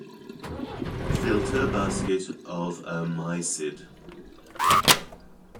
Filter basket of a mysid.